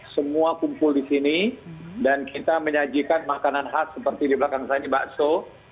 semua kumpul di sini dan kita menyajikan makanan khas seperti di belakang saya ini bakso